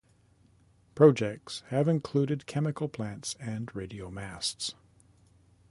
Projects have included chemical plants and radio masts.